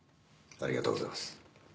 ありがとうございます。